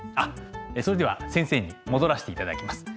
それでは先生に戻らせていただきます。